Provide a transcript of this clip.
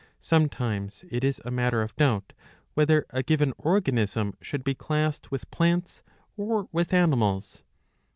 Sometimes it is a matter of doubt whether a given organism should be classed with plants or with animals.